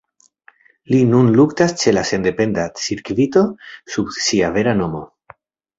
Li nun luktas ĉe la sendependa cirkvito sub sia vera nomo.